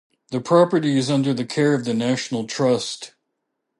The property is under the care of the National Trust.